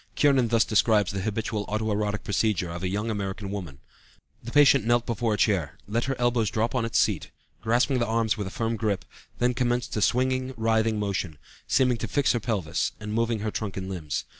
Kiernan thus describes the habitual auto erotic procedure of a young American woman: "The patient knelt before a chair, let her elbows drop on its seat, grasping the arms with a firm grip, then commenced a swinging, writhing motion, seeming to fix her pelvis, and moving her trunk and limbs.